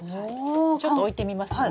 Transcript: ちょっと置いてみますよ。